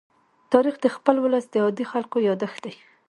تاریخ د خپل ولس د عادي خلکو يادښت دی.